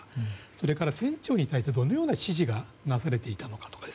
それから、船長に対してどのような指示がなされていたのか。